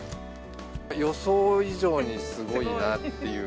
予想以上にすごいなっていう。